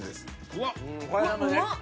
うわっうまっ！